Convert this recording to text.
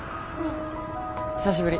久しぶり。